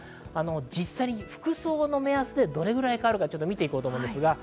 実際に服装の目安でどれくらい変わるか見ていこうと思います。